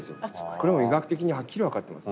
これは医学的にはっきり分かってます。